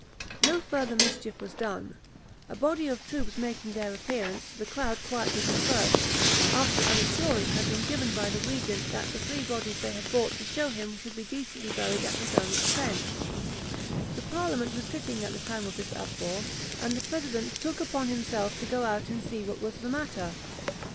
No further mischief was done; a body of troops making their appearance, the crowd quietly dispersed, after an assurance had been given by the regent that the three bodies they had brought to shew him should be decently buried at his own expense. The parliament was sitting at the time of this uproar, and the president took upon himself to go out and see what was the matter.